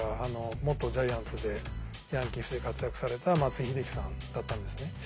元ジャイアンツでヤンキースで活躍された松井秀喜さんだったんですね。